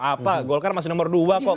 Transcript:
apa golkar masih nomor dua kok